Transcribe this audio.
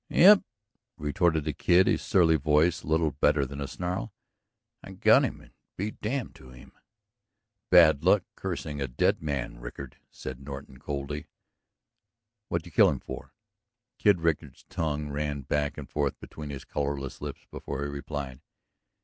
"Yes," retorted the Kid, his surly voice little better than a snarl. "I got him and be damned to him!" "Bad luck cursing a dead man, Rickard," said Norton coldly. "What did you kill him for?" Kid Rickard's tongue ran back and forth between his colorless lips before he replied.